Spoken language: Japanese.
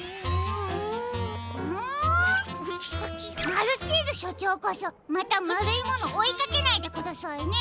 マルチーズしょちょうこそまたまるいものおいかけないでくださいね。